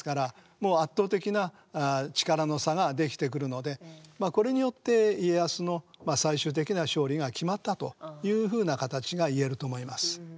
もう圧倒的な力の差が出来てくるのでこれによって家康の最終的な勝利が決まったというふうな形が言えると思います。